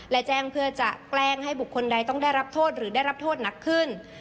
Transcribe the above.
และแจ้งเพื่อจะแกล้งให้บุคคลใดต้องได้รับโทษหรือได้รับโทษหนักขึ้น